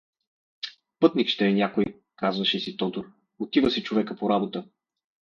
Пътник ще е някой — казваше си Тодор, — отива си човекът по работа.